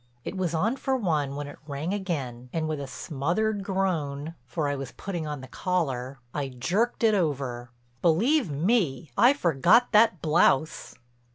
It was on for one when it rang again and with a smothered groan—for I was putting on the collar—I jerked it over. Believe me, I forgot that blouse!